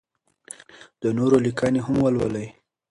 د نورو لیکنې هم ولولئ.